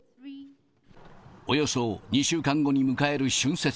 およそ２週間後に迎える春節。